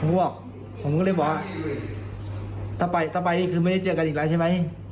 ผมก็เลยบอกถ้าไปคือไม่ได้เจอกันอีกแล้วใช่ไหม